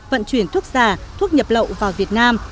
vận chuyển thuốc giả thuốc nhập lậu vào việt nam